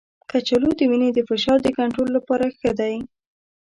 کچالو د وینې د فشار د کنټرول لپاره ښه دی.